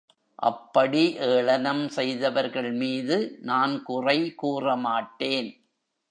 அப்படி ஏளனம் செய்தவர்கள் மீது நான் குறை கூறமாட்டேன்.